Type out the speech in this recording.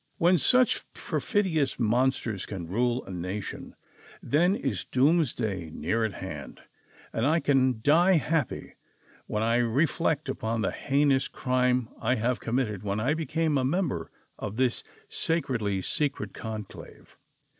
" When such perfidious monsters can rule a nation, then is doomsday near at hand ; and I can die happy when I re flect upon the heinous crime I have committed when I became a member of this sacredly secret conclave